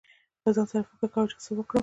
له ځان سره يې فکر کو، چې څه ورکړم.